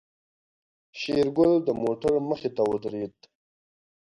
شېرګل د موټر مخې ته ودرېد.